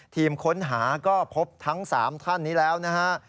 ทีมค้นหาก็พบทั้ง๓ท่านนี้แล้วนะฮะ